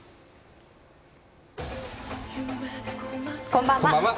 こんばんは。